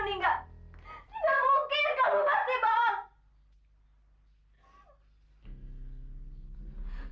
tidak aku pasti bang